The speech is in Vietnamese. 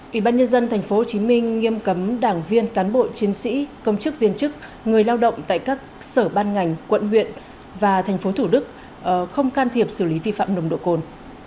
ủy ban nhân dân tp hcm nghiêm cấm đảng viên cán bộ chiến sĩ công chức viên chức người lao động tại các sở ban ngành quận huyện và tp thủ đức không can thiệp xử lý vi phạm nồng độ cồn